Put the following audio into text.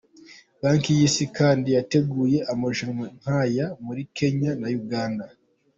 Banki y’Isi kandi yateguye amarushanwa nk’aya muri Kenya na Uganda.